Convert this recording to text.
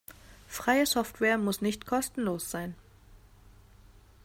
Freie Software muss nicht kostenlos sein.